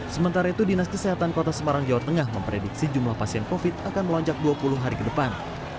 sementara itu dinas kesehatan kota semarang jawa tengah memprediksi jumlah pasien covid akan melonjak dua puluh hari ke depan